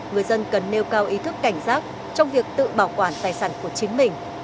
người dân cần nêu cao ý thức cảnh giác trong việc tự bảo quản tài sản của chính mình